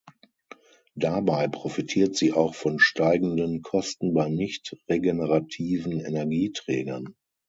Dabei profitiert sie auch von steigenden Kosten bei nicht regenerativen Energieträgern.